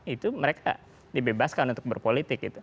itu mereka dibebaskan untuk berpolitik gitu